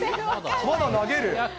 まだ投げる。